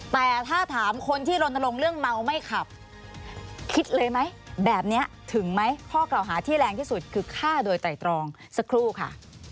แต่ถ้าถามคนที่รณรงค์เรื่องเมาไม่ขับคิดเลยไหมแบบนี้ถึงไหมข้อกล่าวหาที่แรงที่สุดคือฆ่าโดยไตรตรองสักครู่ค่ะ